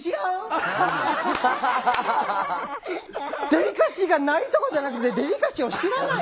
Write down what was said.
デリカシーがないとかじゃなくてデリカシーを知らない？